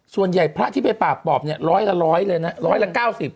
พระที่ไปปราบปอบเนี่ยร้อยละร้อยเลยนะร้อยละ๙๐